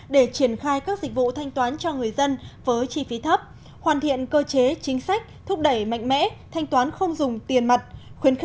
để triển khai các dịch vụ thanh toán cho người dân với chi phí thấp hoàn thiện cơ chế chính sách thúc đẩy mạnh mẽ